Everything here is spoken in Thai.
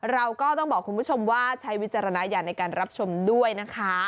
เราก็ต้องบอกคุณผู้ชมว่าใช้วิจารณญาณในการรับชมด้วยนะคะ